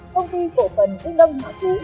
công ty cổ phần dương đông họa cú